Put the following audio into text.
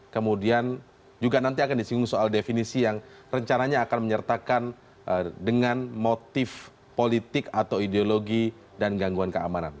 kemudian juga nanti akan disinggung soal definisi yang rencananya akan menyertakan dengan motif politik atau ideologi dan gangguan keamanan